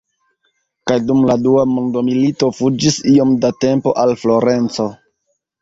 Kaj dum la Dua Mondmilito fuĝis iom da tempo al Florenco.